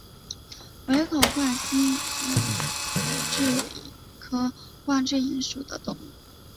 围口冠蛭蚓为蛭蚓科冠蛭蚓属的动物。